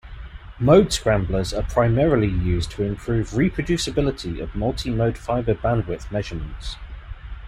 Mode scramblers are primarily used to improve reproducibility of multimode fiber bandwidth measurements.